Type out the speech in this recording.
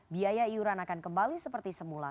biaya iuran akan kembali seperti semula